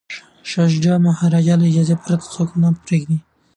شاه شجاع د مهاراجا له اجازې پرته څوک نه پریږدي.